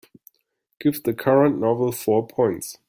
Give the current novel four points.